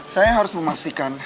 saya harus memastikan